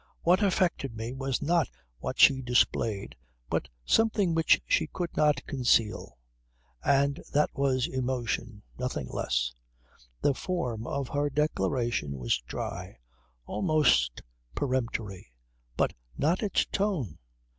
What affected me was not what she displayed but something which she could not conceal. And that was emotion nothing less. The form of her declaration was dry, almost peremptory but not its tone.